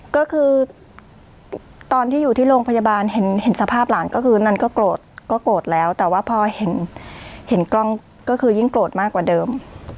ก็คือตอนที่อยู่ที่โรงพยาบาลเห็นสภาพหลานก็คือนั่นก็โกรธก็โกรธแล้วแต่ว่าพอเห็นกล้องก็คือยิ่งโกรธมากกว่าเดิม